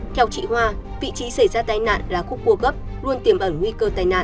theo chị hoa vị trí xảy ra tai nạn là khúc cua gấp luôn tiềm ẩn nguy cơ tai nạn